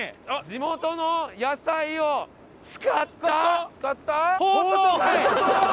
「地元の野菜を使った」